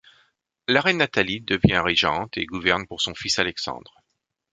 La reine Nathalie devient régente et gouverne pour son fils Alexandre.